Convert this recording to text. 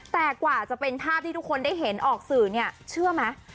แต่กว่าจะเป็นภาพที่ทุกคนได้เห็นออกสื่อเนี่ยเชื่อไหม